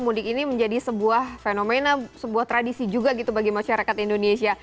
mudik ini menjadi sebuah fenomena sebuah tradisi juga gitu bagi masyarakat indonesia